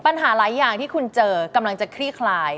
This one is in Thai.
ปัญหาหลายอย่างที่คุณเจอกำลังจะคลี่คลาย